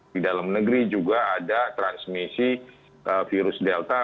di dalam negeri juga ada transmisi virus delta